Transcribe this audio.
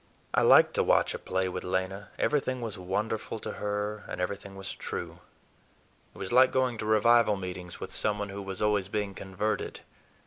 I liked to watch a play with Lena; everything was wonderful to her, and everything was true. It was like going to revival meetings with some one who was always being converted.